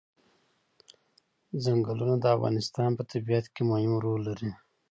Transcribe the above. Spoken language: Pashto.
چنګلونه د افغانستان په طبیعت کې مهم رول لري.